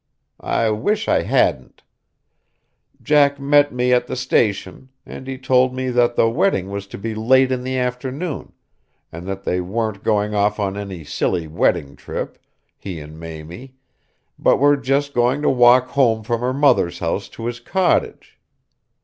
I wish I hadn't. Jack met me at the station, and he told me that the wedding was to be late in the afternoon, and that they weren't going off on any silly wedding trip, he and Mamie, but were just going to walk home from her mother's house to his cottage.